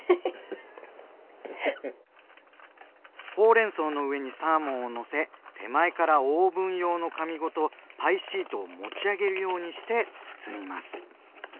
ほうれんそうの上にサーモンをのせ手前からオーブン用の紙ごとパイシートを持ち上げるようにして包みます。